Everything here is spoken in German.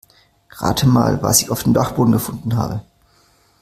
Rate mal, was ich auf dem Dachboden gefunden habe.